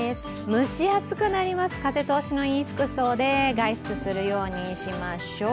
蒸し暑くなります、風通しのいい服装で外出するようにしましょう。